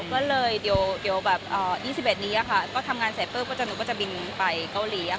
เรื่อย๒๑ปีนี้ทำงานเสร็จเพิ่มก็จะบินไปเกาหลี